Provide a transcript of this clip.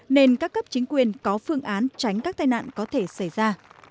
nên các cấp chính quyền có phương án tránh các tai nạn có thể xảy ra